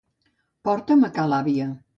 Porta'm a ca l'àvia.